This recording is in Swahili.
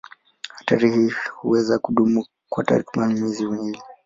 Hatari hii huweza kudumu kwa takriban miezi miwili.